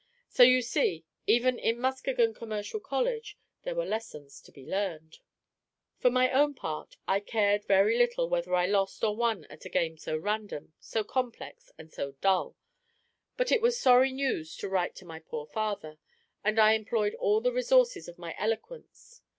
So you see, even in Muskegon Commercial College, there were lessons to be learned. For my own part, I cared very little whether I lost or won at a game so random, so complex, and so dull; but it was sorry news to write to my poor father, and I employed all the resources of my eloquence.